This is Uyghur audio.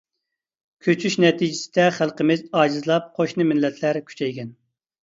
كۆچۈش نەتىجىسىدە خەلقىمىز ئاجىزلاپ قوشنا مىللەتلەر كۈچەيگەن.